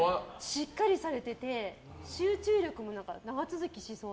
しっかりされてて集中力も長続きしそう。